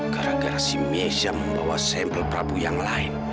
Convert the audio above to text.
gara gara si mesia membawa sampel prabu yang lain